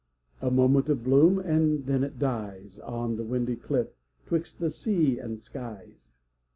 A moment of bloom, and then it dies On the windy cliff 'twixt the sea and skies.